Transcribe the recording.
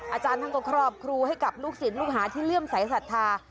อาจารย์ท่านก็ครอบครูให้กับลูกศิษย์ลูกหาที่เลื่อมสายศรัทธา